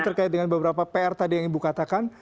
terkait dengan beberapa pr tadi yang ibu katakan